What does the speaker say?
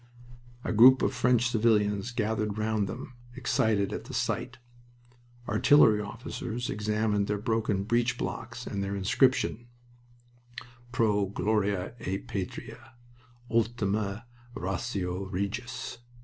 A group of French civilians gathered round them, excited at the sight. Artillery officers examined their broken breech blocks and their inscriptions: "Pro Gloria et Patria." "Ultima ratio regis."